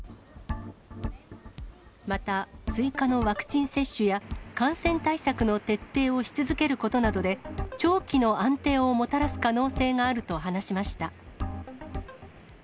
また、追加のワクチン接種や感染対策の徹底をし続けることなどで、長期の安定をもたらす可能性があると話しました。